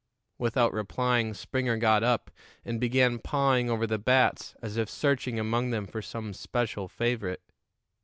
Without replying, Springer got up and began pawing over the bats, as if searching among them for some special favorite.